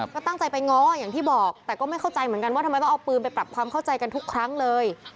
ก็ตั้งใจไปง้ออย่างที่บอกแต่ก็ไม่เข้าใจเหมือนกันว่าทำไมต้องเอาปืนไปปรับความเข้าใจกันทุกครั้งเลย